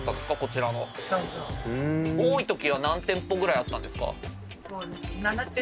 多いときは何店舗ぐらいあったんですか？